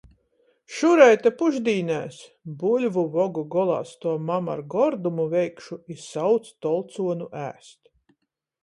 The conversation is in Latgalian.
"Šurejte pušdīnēs!" buļvu vogu golā stuov mama ar gordumu veikšu i sauc tolcuonu ēst.